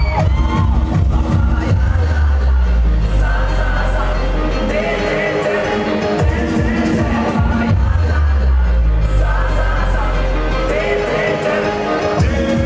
ว้าวว้าวว้าวว้าวว้าวว้าวว้าวว้าวว้าวว้าวว้าว